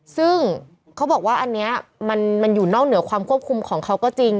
ซึ่งเขาบอกว่าอันนี้มันอยู่นอกเหนือความควบคุมของเขาก็จริง